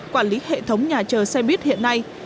quản lý hệ thống nhà chờ xe buýt hiện nay